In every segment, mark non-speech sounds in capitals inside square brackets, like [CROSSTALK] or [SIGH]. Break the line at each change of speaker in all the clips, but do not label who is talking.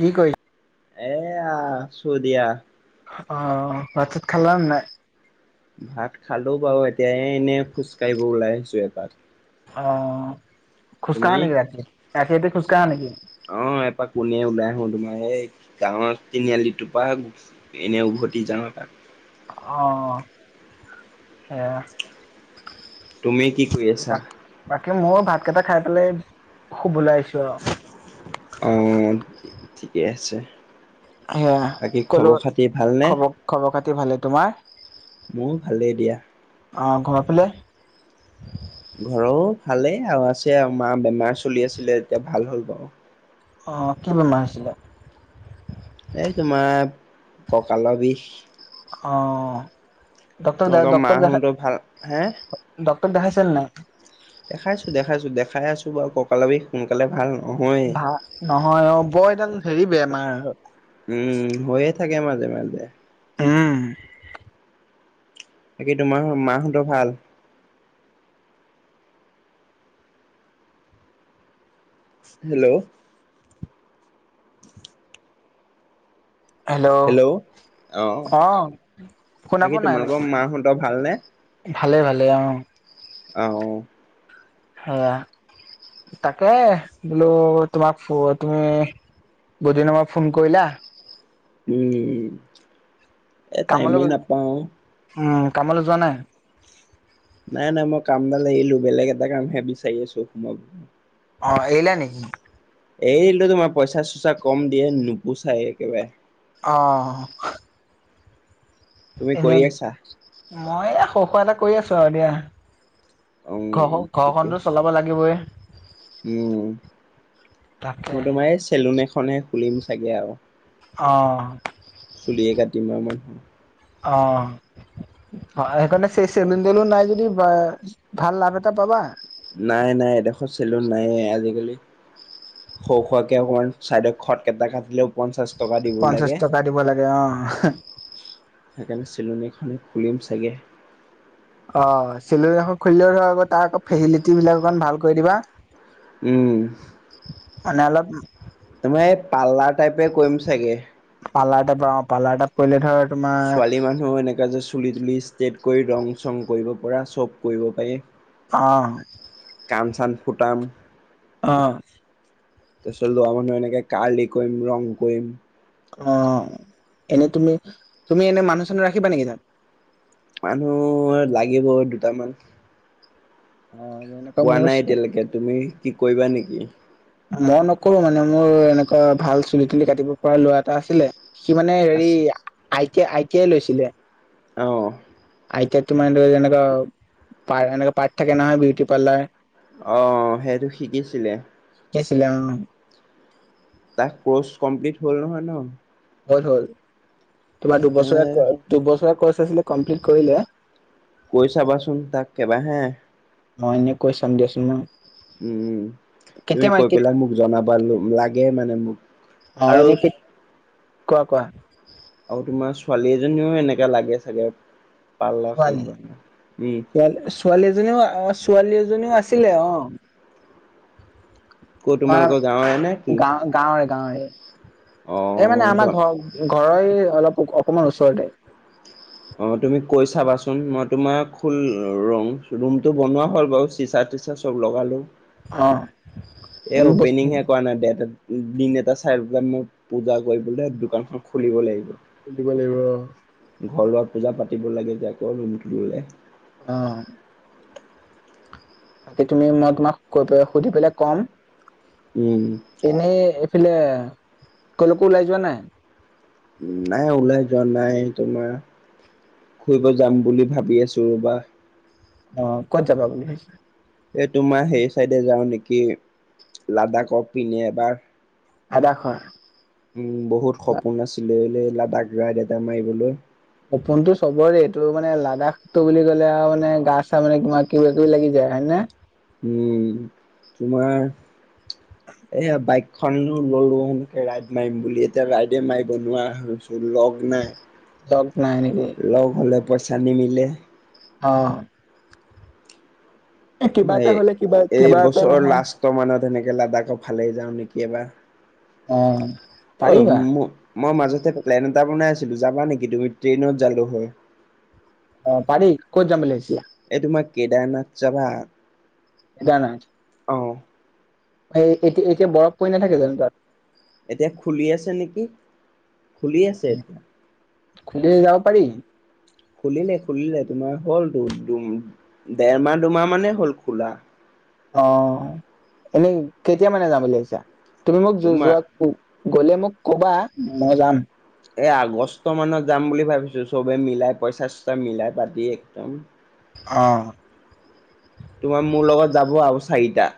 কি কৰিছ?
এয়া আচো দিয়া
অ ভাত ছাত খালানে নাই?
ভাত খালো বাৰু এতিয়া এনেই খোজকাঢ়িব ওলাই আহিছো এপাক
অ
তুমি?
খোজকাঢ়া নেকি ৰাতি ৰাতি ৰাতি খোজকাঢ়া নেকি?
অ এপাক ইনেই ওলাই আহো তোমাৰ এই গাঁৱৰ তিনিআলিটোৰ পাৰ এনেই উভতি যাওঁ এপাক
অঁ সেয়া
তুমি কি কৰি আছা?
বাকী বাকী ময়ো ভাত কেইটা খাই পেলাই শুৱলে আহিছো আৰু
অ', ঠিকেই আছে।
সেয়া
বাকী
কলো
খবৰ খাতি ভালনে?
খবৰ -খবৰ খাতি ভালে তোমাৰ?
মোৰ ভালেই দিয়া।
অ', ঘৰৰ ফালে?
ঘৰও ভালেই আৰু আছে আৰু মা বেমাৰ চলি আছিলে এতিয়া ভাল হ'ল বাওঁ।
অহ, কি বেমাৰ হৈছিলে?
এই তোমাৰ কঁকালৰ বিষ।
অ', ডক্টৰক
তোমালোকৰ মাহতৰ ভাল হে?
ডক্টক দেখাইছিল নাই?
দেখাইছোঁ- দেখাইছোঁ দেখাই আছোঁ বাৰু কঁকালৰ বিষ সোনকালে ভাল নহয়েই।
ভা নহয় অ, বৰ এইডাল হেৰি বেমাৰ।
উম, হৈয়ে থাকে মাজে - মাজে।
উম,
বাকী তোমাৰ মাহঁতৰ ভাল? হেল্ল', হেল্ল', অ,
অ', শুনা
বাকী
পোৱা
তোমালোকৰ
নাই
মাহঁতৰ ভালনে?
ভালে- ভালে অ।
আহ, ও।
সেয়া তাকে বোলো তোমাক ফ তুমি বহুদিনৰ মূৰত ফোন কৰিলা।
উম, এ
কামলৈ
টাইমে নাপাওঁ অ
উম, কামলে যোৱা নাই?
নাই- নাই মই কামডাল এৰিলোঁ বেলেগ এটা কামহে বিচাৰি আছোঁ
অহ, এৰিলা নেকি?
এৰিদিলো তোমাৰ পইচা -চইচা কম দিয়ে নুপোচাই একেবাৰে।
অহ ',
তুমি
এনে
কৰি
মই
আছা?
সৰু সুৰা এটা কৰি আছোঁ আৰু দিয়া।
উম
ঘৰখন -
ঠিকে
ঘৰখনতো চলাব লাগিবয়ে।
উম,
তাকে
মই তোমাৰ এই চেলুন এখনহে খুলিম চাগে আৰু।
অ',
চুলিয়ে কাটিম আৰু মই।
অহ ', হয় সেইকাৰণে চেলুন তেলুন নাই যদি বা ভাল লাভ এটা পাবা।
নাই নাই এডোখৰ চেলুন নায়ে আজিকালি সৰু হোৱাকে অকণমান ছাইডক খটকেইটা কাটিলেও পঞ্চাশ টকা দিব
পঞ্চাশ
লাগে
টকা দিব লাগে অ
সেইকাৰণে চিলুন এখন খুলিম চাগে
অ চিলুন এখন খুলিলেও আকৌ তাৰ আকৌ ফেহিলিটি বিলাক অকণমান ভাল কৰি দিবা
উম
মানে অলপ
তোমাৰ এই পাৰ্লাৰ টাইপে কৰিম চাগে।
পাৰ্লাৰ টাইপ অ, পাৰ্লাৰ টাইপ কৰিলে ধৰ তোমাৰ
এই মানুহো এণেকা যে চুলি -তুলি ষ্ট্ৰেট কৰি ৰং -চং কৰিব পৰা চব কৰিব পাৰি।
অ',
কাণচান ফুটাম।
অ',
তাৰপিছত ল'ৰা মানুহ এনেকা কাৰ্লি‌ কৰিম ৰং কৰিম।
অ', এনে তুমি -তুমি এনে মানুহ -চানুহ ৰাখিবা নেকি তাত?
মানুহ লাগিবই দুটামান।
অ এনেকুৱা
পোৱা
মোৰ
নাই এতিয়ালৈকে তুমি কি কৰিবা নেকি?
মই নকৰো মানে মোৰ এনেকুৱা ভাল চুলি তুলি কাটিব পৰা ল'ৰা এটা আছিলে। সি মানে
আছ
হেৰি আইটিয়া আইটিয়া লৈছিলে।
অ
আই তিয়াত তোমাৰ দৰে যেনেকুৱা পা এনেকুৱা পাৰ্ট থাকে নহ বিউটি পাৰ্লাৰ
অ সেইটো শিকিছিলে
শিকিছিলে অ
তাৰ কৰ্চ কমপ্লিট হ'ল নহয় ন?
হল হল তোমাৰ
তেনে
দুবছ দুবছৰ কৰ্চ আছিলে কমপ্লিট কৰিলে
কৈ চাবাচোন তাক এবাৰ হা
মই এনে কৈ দিয়াছন ন।
উম তুমি কৈ পেলাই মোক জনাবা লাগে মানে মোক।
অ
আৰু
এনে কি কোৱা কোৱা
আৰু তোমাৰ ছোৱালী এজনীও এনেকা লাগে চাগে পাৰ্লাৰ
ছোৱালী
খনলে উম
ছোৱালী ছোৱালী এজনীও আ ছোৱালী এজনীও আছিলে অঁ।
ক'
আ
তোমালোকৰ গাঁৱৰে নে কি
গাৱ গাঁৱৰে গাঁৱৰে
অ
এই মানে আমাৰ
জন
ঘৰ। ঘৰৰই অলপ অকণমান ওচৰতে।
অ তুমি কৈ চাবাচোন মই তোমাৰ খোল ৰম ৰুমতটো বনোৱা হ'ল বাও চিচা-তিচা চব লগালোঁ
অঁহ
এ অপেনিংহে কৰা নাই দে তাত। দিন এটা চাই পেলাই মই পূজা কৰিবলৈ দোকানখন খুলিব লাগিব।
দিব লাগিব অ।
ঘৰলত পূজা পাতিব লাগে এতিয়া আকৌ ৰুমতো ললে।
অঁ সেই তুমি মই তোমাক কৈ পে সুধি পেলাই কম।
উম
এনে এইফালে কলোকো ওলাই যোৱা নাই?
নাই ওলাই যোৱা নাই তোমাৰ। ফুৰিব যাম বুলি ভাবি আছোঁ বা।
অঁ ক'ত যাবা বুলি ভাবিছ।
এই তোমাৰ সেই চাইডে যাওঁ নেকি, লাডাখ পিনে এবাৰ।
আদা খোৱা।
উম, বহুত সপোন আছিলে ব লাডাখ ৰাইড এটা মাৰিবলৈ।
সপোনটো চবৰে দেই এইটো মানে লাডাখটো বুলি ক'লে আৰু মানে গা চা মানে কিবা কিবা কিবি লাগি যায় হয় নে।
উম, তোমাৰ এইয়া বাইাক খনো ললো ৰাইড মাৰিম বুলি এতিয়া ৰাইডে মাৰিব নোৱা হৈছো লগ নাই। হয়। [INAUDIBLE]
লগ নাই নেকি?
লগ হ'লে পইচা নিমিলে।
অঁ কিবা এটা হলে কিবা
এই
কিবা এটা
বছৰ
নহয়
লাষ্ট। ত মানত সেনেকে লাডাখৰ ফালেই যাওঁ নেকি এবাৰ,
অ
অঁ
পাৰিবা
মো- মই মাজতে প্লেন এটা বনাই আছিলোঁ, যাবা নেকি তুমি ট্ৰেইনত জালোঁ হয়।
অ পাৰি ক'ত যাম বুলি ভাবিছা?
এই তোমাৰ কেদাৰনাথ যাবা?
জানা
অঁ
সেই এতিয়া - এতিয়া বৰফ পৰি নাথাকে জানো তাত।
এতিয়া খুলি আছে নেকি, খুলি আছে এতিয়া।
খুলি যাব পাৰি।
খুলিলে - খুলিলে তোমাৰ হ'ল দু - দুম দেৰমাহ দুমাহ মানে হ'ল খোলা।
অ, এনে কেতিয়া মানে যাম বুলি ভাবিছা তুমি মোক
তোমাৰ
যোৱ গ'লে মোক কবা মই যাম।
এ আগষ্ট মানত যাম বুলি ভাবিছো চবে মিলাই পইচা চা মিলাই পাতি একদম।
অঁ
তোমাৰ মোৰ লগত যাব আৰু চাৰিটা।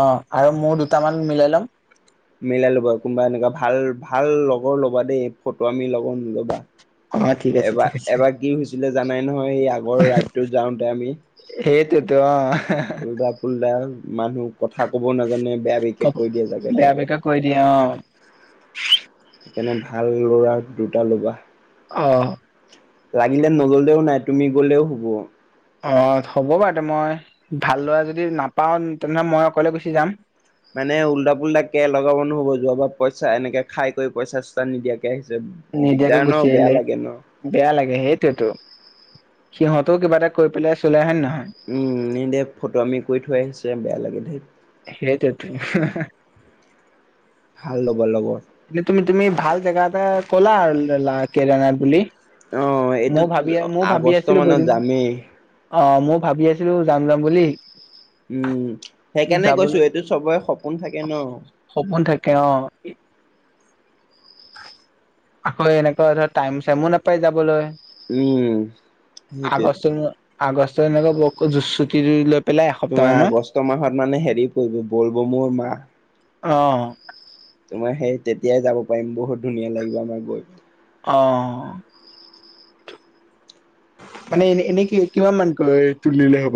অ, আৰু মোৰ দুটামান মিলাই ল'ম।
মিলাই ল'বা কোনোবা এনেকুৱা ভাল - ভাল লগৰ ল'বা দেই ফটো আমি লগৰ নলবা।
অ ঠিক আছে
এবাৰ
ঠিক
-
আছে
এবাৰ কি হৈছিলে জানাই নহয় এই আগৰ ৰাইডটোত যাওঁতে আমি।
সেইটোৱেতো অ,
ওলোটা ফুল্দা মানুহ কথা কবও নাজানে বেয়া বিশেষ কৈ দিয়ে জাগে
বেয়া
তাকে।
বেকা কৈ দিয়ে অ
সেইকাৰণনে ভাল ল'ৰাৰ দুটা ল'বা।
অঁ
লাগিলে নললেও নাই তুমি গলেও হ'ব।
অ, হ'ব বাৰু দে মই ভাল ল'ৰা যদি নাপাওঁ তেনেহ'লে মই অকলে গুচি যাম।
মানে উল্টা পোল্টা কে লগাব নহ'ব যোৱাবাৰ পইচা এনেকে খাই কৰি পইচা চইচা নিদিয়াকে আহিছে।
নিদিয়াকৈ
দিগদাৰ ন
গুচি
বেয়া
আহিলে
লাগে ন।
বেয়া লাগে সেইটোৱেতো সিহতেও কিবা এটা কৰি পেলাই চুলাই হয় নে নহয়।
উম, নি দে ফটোৱামি কৈ থৈ আহিছে বেয়া লাগে ধেত।
সেইটোৱেতো হ- হ - হ
ভাল লব লগৰ।
এনেই তুমি - তুমি ভাল জেগা এটা কলা আৰু কেদাৰনাথ বুলি-
অ
মই
এইটোতো
ভাবি মই ভাবি
আগষ্ট
আছিলো
মানত
বহুদিন।
যামেই।
অ, মৌ ভাবি আছিলো যাম - যাম বুলি।
উম, সেইকাৰণে
যাবলৈ
কৈছো এইটো চবৰে সপোন থাকে ন।
সপোন থাকে অ, আকৌ এনেকুৱা ধৰ টাইম চাইমো নাপায় যাবলৈ।
উম সেইটোৱেটো।
আগষ্টৰ - আগষ্ট এনেকে বক জু চুতি দি দিলে
তোমাৰ আগষ্ট মাহত মানে হেৰি পৰিব বলবৌমৰ মাহ।
অ',
তোমাৰ সেই তেতিয়াই যাব পাৰিম বহুত ধুনীয়া লাগিব আমাৰ গৈ।
অ মানে এনে - এনে কি কিমান মানকৈ তুলিলে হ'ব?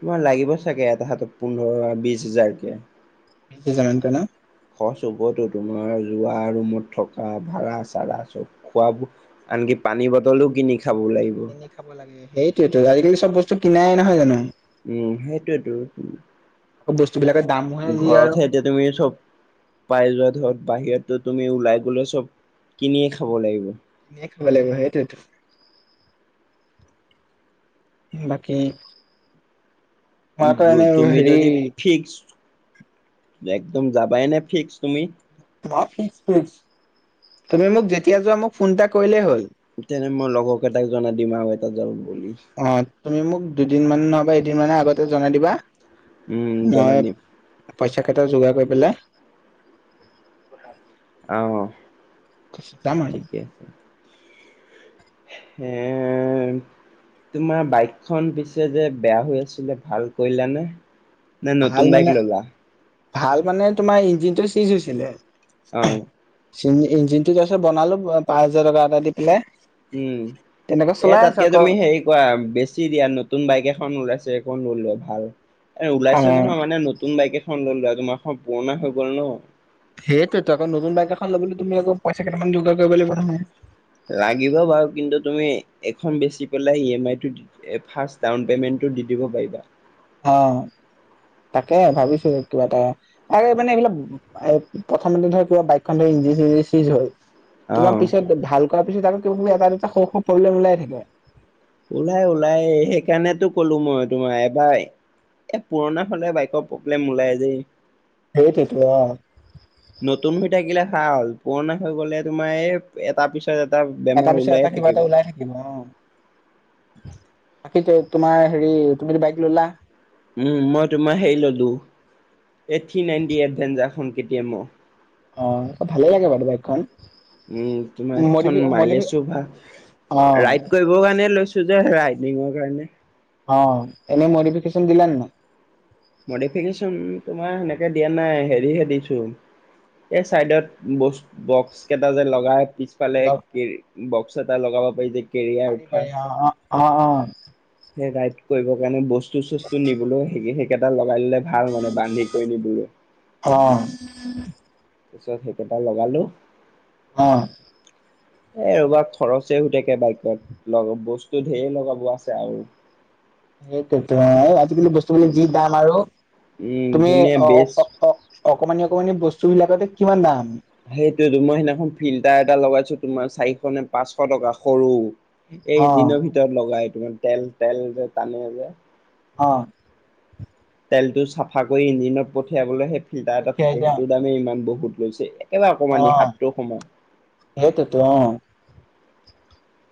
তোমাৰ লাগিব চাগে এটা হাতত পোন্ধৰ বিছ হাজাৰকে।
বিছ হাজাৰ মানকৈ ন?
খৰচ হবটো তোমাৰ যোৱা, ৰুমত থকা ভাড়া-চাড়া চব খোৱাবো আনকি পানী বটলো কিনি খাব লাগিব।
কিনি খাব লাগে সেইটোয়েতো আজিকালি চব বস্তু কিনাই নহয় জানো।
উম, সেইটোৱেতো উম
আকৌ বস্তু বিলাকৰ দামোহে যি আৰু।
এতিয়া তুমি চব। পাই যোৱা ধৰক বাহিৰতো তুমি ওলাই গলে চব কিনিয়ে খাব লাগিব।
কিনিয়ে খাব লাগিব সেইটোৱেতো। বাকী তোমাৰ কাৰণে
তুমি
হেৰি
যদি ফিক্স একদম যাবাই নে ফিক্স তুমি
মই ফিক্স ফিক্স তুমি মোক যেতিয়া যোৱা মোক ফোন এটা কৰিলেই হ'ল।
তেনে মই লগৰকেইটাক জনাই দিম আৰু এটা যাব বুলি।
অ তুমি মোক দুদিনমান নহয় বা এদিনমান আগতে জনাই দিবা।
উম জনাই
মই
দিম
পইচাকেইটা যোগাৰ কৰি পেলাই
অহ
যাম ময়
হে তোমাৰ বাইকখন পিছে যে বেয়া হৈ আছিলে ভাল কৰিলানে?
আহাল মানে, ভাল মানে তোমাৰ ইঞ্জিনটো চিজ হৈছিলে।
অ
চিন ইঞ্জিনটো তাৰপাছত বনালো পাঁচ হাজাৰ টকা এটা দি পেলাই।
উম
তেনেকে
এ
চলাই আছো
তাতকে
আকৌ
তুমি হেৰি কৰা বেছ ছি দিয়া নতুন বাইক এখন ওলাইছে সেইখন লৈ লোৱা ভাল এ
অ
ওলাইছে নহয় মানে নতুন বাইক এখন লৈ লোৱা, তোমাৰখন পুৰণা হৈ গ'ল ন।
সেইটোৱেইটো আকৌ নতুন বাইক এখন লবলে তুমি আক পইচা কেইটামান যোগাৰ কৰিব লাগিব নহয়।
লাগিব বাৰু কিন্তু তুমি এখন বেচি পেলাই ই এম আই টো ফাৰ্ষ্ট ডাউন পেমেণ্টটো দি দিব পাৰিবা।
অ তাকে ভাবিছো কিবা এটা তাকে মানে এইবিলাক এ প্ৰথমতে ধৰ কিবা বাইকখন ধৰ ইঞ্জিন-চিঞ্জিন চিজ হ'ল তোমাৰ
অ
পিছত ভাল কৰাৰ পিছত আৰু এটা-দুটা সৰু সৰু প্ৰব্লেম ওলাই থাকে।
ওলাই ওলাই সেইকাৰণেতো ক'লো মই তোমাক এবাৰ এ পুৰণা হলে বাইকৰ প্ৰব্লেম ওলাই দেই।
সেইটোৱেইটো অ
নতুন হৈ থাকিলে ভাল, পুৰণা হৈ গ'লে তোমাৰ এই এটা পিছ- এটা বেমাৰ ওলাই থাকিব বোলে।
কিব অ। বাকী ত তোমাৰ হেৰি তুমিটো বাইক ললা?
উম মই তোমাৰ হেৰি ললো এইট থ্ৰী নাইনটি এডভেঞ্জাৰখন কেটিয়েমৰ।
অ ভালে লাগে বাৰু বাইকখন।
উম তোমাৰ
মডিফি
এখন
মডিফি
মাইলেছো ভা
অ
ৰাইড কৈব- টো কাৰণে লৈছো যে ৰাইডিঙৰ কাৰণে।
অ এনেই মডিফিকেশ্যন দিলা নে নাই?
মডিফিকেশ্যন তোমাৰ সেনেকে দিয়া নাই হেৰিহে দিছো এই চাইডত বৌছ বক্সকেইটা যে লগাই পিছ- ফালে কেৰ বক্স এটা লগাব পাৰি যে কেৰিয়াৰ
পাৰি
উঠা
পাৰি অ, অ, অ, অ।
সেই গাইড কৰিবৰ কাৰণে বস্তু চস্তু নিবলৈও সেইকেইটা লগাই ল'লে ভাল মানে বান্ধি কৈ নিবলৈ।
অ। [INAUDIBLE]
পিছত সেইকেইটা লগালো।
অ।
এ ৰবা খৰচে হৈ থাকে বাইকত লগ বস্তু ধেইৰ লগাব আছে আৰু।
সেইটোৱেইতো আজিকালি বস্তুবিলাক যি দাম আৰু
উম
তুমি
ধুনীয়া
অ অ
বেচ
ক'ক অঅ অকণমানি অকণমানি বস্তুবিলাকতে কিমান দাম।
সেইটোৱেইটো মই সেইদিনাখন ফিল্টাৰ এটা লগাইছো তোমাৰ চাৰিশ নে পাঁচশ টকা সৰু। এই
অ
ইঞ্জিনৰ ভিতৰত লগাই তোমাৰ তেল তেল যে টানে যে।
অ।
তেলটো চফা কৰি ইঞ্জিনত পঠিয়াবলৈ সেই ফিল্টাৰ এটা
পঠিয়াই
থাকে
দিয়া
সেইটোৰ দামেই ইমান বহুত লৈছে। একেবাৰে অকমানি হাতটো সমান।
সেইটোৱেইটো অ।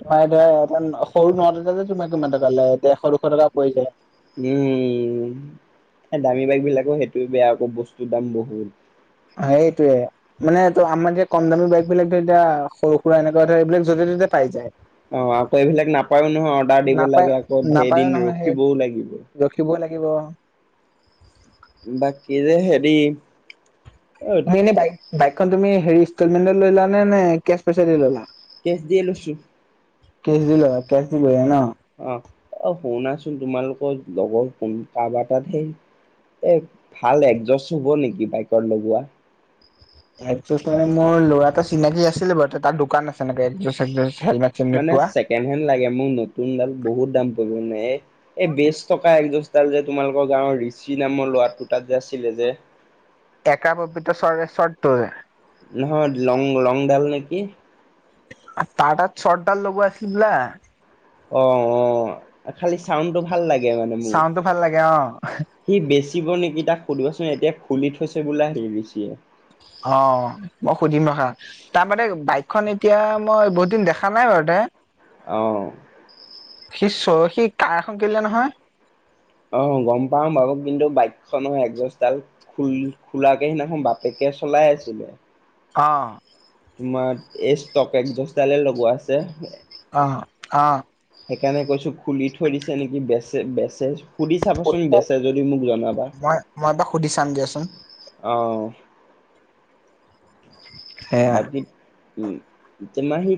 তোমাৰ ধৰা এটন সৰু নট এটাতে তোমাৰ কিমান টকা লয় ডেৰশ দুশ টকা পৰি যায়।
উম দামী বাইকবিলাকো সেইটোে বেয়া আকৌ বস্তুৰ দাম বহুত।
সেইটোৱে। মানে ত আমাৰ এতিয়া কম দামী বাইক বিলাক ধৰিলোৱা এতিয়া সৰু সুৰা এনেকুৱা ধৰ এইবিলাক য'তে ত'তে পাই যায়।
অ আকৌ এইবিলাক নাপাও নহয় অৰ্ডাৰ দিব
নাপায়
লাগে, আকৌ ধেৰ দিন ৰখিবও লাগিব।
তিব লাগিব।
বাকী যে হেৰি অইত
মো এনেই বাইক বাইকখন তুমি হেৰি ইনষ্টলমেণ্ট লৈলা নে নে কেচ পইচা দি লৈলা?
কেছ দি লৈছো।
কেচ দিলা কেচ দি ললা ন।
অ অ শুনাচোন তোমালোকৰ লগৰ কোন কাৰবা এ তাত সেই এ ভাল একজষ্ট হ'ব নেকি বাইকত লগোৱা?
একজষ্ট মানে মোৰ ল'ৰা এটা চিনাকি আছিলে বাৰু। তাৰ দোকান আছে এনেকে একজষ্ট, একজষ্ট হেলমেট চেলমেট
মানে
পোৱা।
ছেকেণ্ড হেণ্ড লাগে মোক। নতুন ডাল বহুত দাম পৰিব এ এই বেজ থকা একজষ্ট ডাল যে তোমালোকৰ গাঁৱৰ ঋষি নামৰ ল'ৰাটোৰ তাত যে আছিলে যে
একা ববিত চ্বৰ চ্বৰটো যে
নহয় লং লং ডাল নেকি?
তাৰ তাত চটডাল লগোৱা আছিল লে।
অ অ খালি চাউণ্ডটো ভাল লাগে মানে মো।
চাউণ্ডটো ভাল লাগে অ'।
সি বেচিব নেকি তাক সুধিবাচোন। এতিয়া খুলি থৈছে বোলে নিবিছে।
অ মই সুধিম ৰখা। তাৰ মানে বাইকখন এতিয়া মই বহুত দিন দেখা নাই বাৰু তে।
অ।
সি চ সি কাৰ এখন কিনিলে নহয়।
অ গম পাও বাও কিন্তু বাইকখনৰ একজছদাল খোল খোলাকে সিদিনাখন বাপেকে চলাই আছিলে।
অ।
তোমাৰ এষ্ট টকেকজছদালে লগোৱা আছে।
অ, অ।
সেইকাৰণে কৈছো খুলি থৈ দিছে নেকি? বেচে বেচে সুধি চাবাচোন বেছে যদি মোক জনাবা।
মই মই এবাৰ সুধি চাম দিয়াচোন
অ
সেয়া
বাকী উম, তোমাৰ হেই